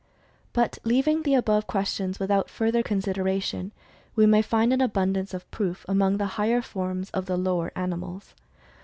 But, leaving the above questions without further consideration, we may find an abundance of proof among the higher forms of the "lower animals."